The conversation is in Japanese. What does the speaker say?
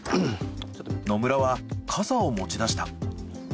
野村は傘を持ち出した。